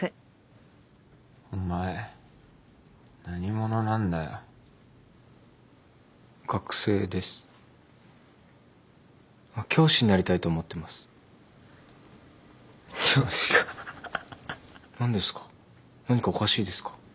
何ですか？